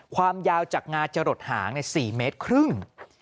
ความยาวจากงาจะหลดหาง๔เมตรครึ่ง